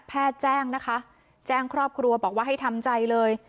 แจ้งนะคะแจ้งครอบครัวบอกว่าให้ทำใจเลย